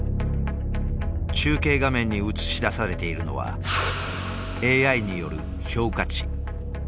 中継画面に映し出されているのはＡＩによる評価値。